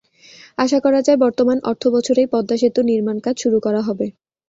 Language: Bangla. আশা করা যায়, বর্তমান অর্থবছরেই পদ্মা সেতুর নির্মাণকাজ শুরু করা হবে।